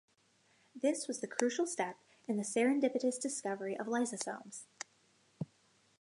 This was the crucial step in the serendipitous discovery of lysosomes.